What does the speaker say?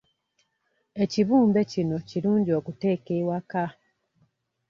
Ekibumbe kino kirungi okuteeka ewaka.